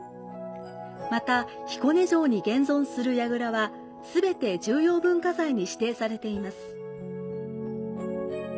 また彦根城に現存する櫓は、すべて重要文化財に指定されています。